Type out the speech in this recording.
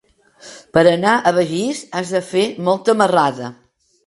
Per anar a Begís has de fer molta marrada.